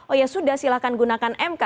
oh ya sudah silahkan gunakan mk